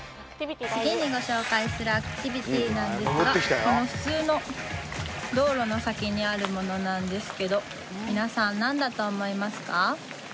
次にご紹介するアクティビティなんですがこの普通の道路の先にあるものなんですけど皆さん何だと思いますか？